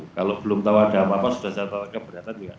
kalau belum tahu ada apa apa sudah catatan keberatan ya